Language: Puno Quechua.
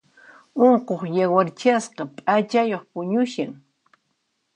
Unquq yawarchasqa p'achayuq puñushan.